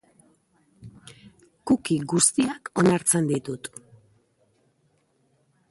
Cookie guztiak onartzen ditut.